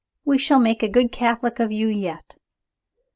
"We shall make a good Catholic of you yet."